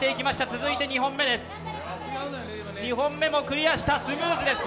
続いて２本目です、２本目クリアした、スムーズです。